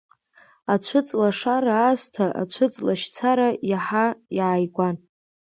Ацәыҵлашара аасҭа ацәыҵлашьцара иаҳа иааигәан.